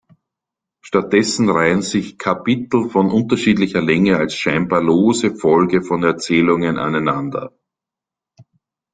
Stattdessen reihen sich Kapitel von unterschiedlicher Länge als scheinbar lose Folge von Erzählungen aneinander.